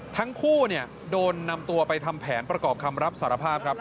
ทั้งคู่โดนนำตัวไปทำแผนประกอบคำรับสารภาพครับ